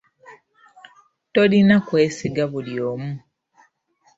Tolina kwesiga buli omu.